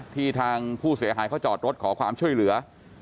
ทางผู้เสียหายเขาจอดรถขอความช่วยเหลือ